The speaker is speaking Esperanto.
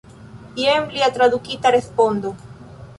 Jen lia tradukita respondo.